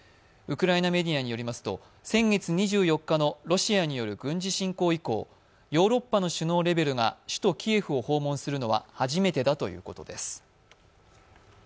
ウクライナメディアによりますと、先月２４日のロシアによる軍事侵攻以降、首脳レベルが首都キエフを訪問するのは初めてだということです。